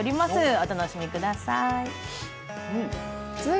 お楽しみください。